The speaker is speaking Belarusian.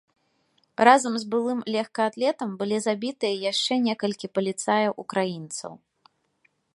Разам з былым лёгкаатлетам былі забітыя яшчэ некалькі паліцаяў-украінцаў.